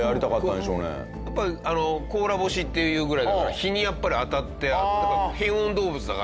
やっぱ甲羅干しっていうぐらいだから日にやっぱり当たって暖かく。